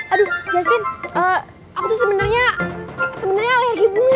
aduh justin aku tuh sebenarnya alergi bunga